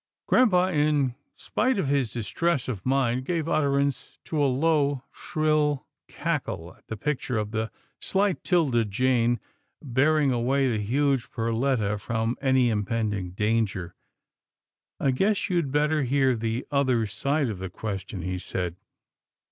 '" Grampa, in spite of his distress of mind, gave utterance to a low, shrill cackle at the picture of the slight 'Tilda Jane bearing away the huge Per letta from any impending danger. " I guess you'd better hear the other side of the question," he said.